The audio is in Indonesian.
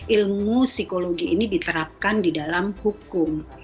ilmu psikologi ini diterapkan di dalam hukum